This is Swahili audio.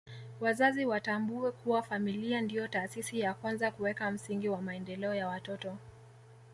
Wazazi watambue kuwa familia ndio taasisi ya kwanza kuweka msingi wa maendeleo ya watoto